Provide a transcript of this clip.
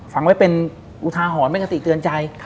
ฟังไว้เป็นอุทาหอนไม่กะติเตือนใจ